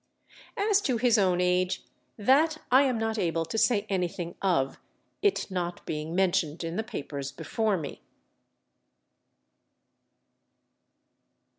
As to his own age, that I am not able to say anything of, it not being mentioned in the papers before me.